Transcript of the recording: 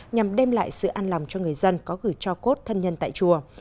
nhằm đem lại sự an lòng cho người dân có gửi cho cốt thân nhân tại chùa